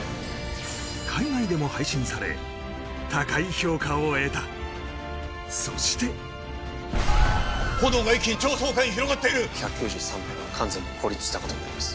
海外でも配信され高い評価を得たそして炎が一気に上層階に広がっている１９３名は完全に孤立したことになります